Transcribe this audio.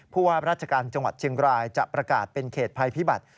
ว่าราชการจังหวัดเชียงรายจะประกาศเป็นเขตภัยพิบัติ